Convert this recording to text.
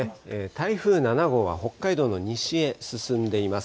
台風７号は北海道の西へ進んでいます。